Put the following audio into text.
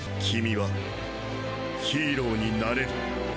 「君はヒーローになれる」